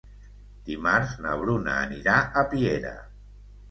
Dimarts na Bruna anirà a Piera.